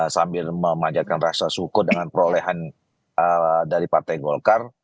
sambil memanjatkan rasa syukur dengan perolehan dari partai golkar